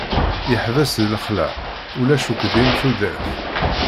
Yeḥbes deg laxla, ulac akk din tudert.